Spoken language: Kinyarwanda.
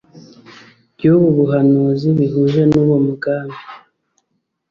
by ubu buhanuzi bihuje n uwo mugambi